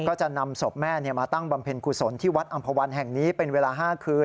ก็จะนำศพแม่มาตั้งบำเพ็ญกุศลที่วัดอำภาวันแห่งนี้เป็นเวลา๕คืน